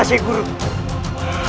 tidak sheikh buruh